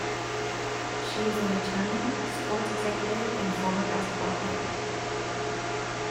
She is an attorney, sports executive, and former basketball player.